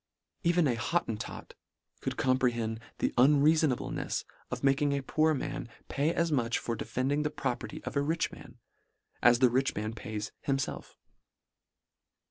Even a Hottentot could comprehend the un reafonablenefs, of making a poor man pay as much for defending the property of a rich man, as the rich man pays himfelf.